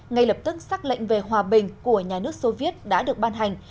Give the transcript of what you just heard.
ngay lập tức xác lệnh về hòa bình của nhà nước soviet đã được ban hành